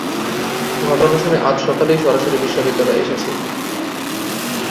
ঘটনা শুনে আজ সকালেই সরাসরি বিশ্ববিদ্যালয়ে এসেছি।